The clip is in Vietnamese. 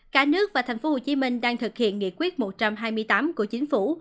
cả nước và thành phố hồ chí minh đang thực hiện nghị quyết một trăm hai mươi tám của chính phủ